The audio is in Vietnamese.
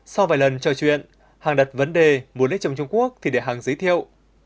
sau vài lần trò chuyện hằng đặt vấn đề muốn lấy chồng trung quốc thì để hằng giới thiệu